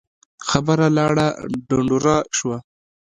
خبره لاړه ډنډوره شوه.